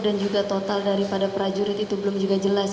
dan juga total daripada prajurit itu belum juga jelas